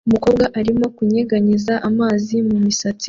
Umukobwa arimo kunyeganyeza amazi mumisatsi